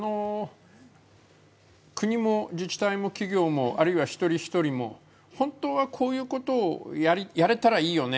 国も自治体も企業もあるいは一人一人も本当はこういうことをやりやれたらいいよね